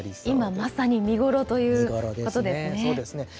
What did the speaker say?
今まさに見頃ということですね。